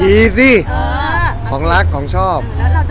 ขี่ซี่เออของแรกของชอบ